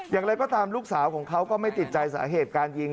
อย่างไรก็ตามลูกสาวของเขาก็ไม่ติดใจสาเหตุการยิง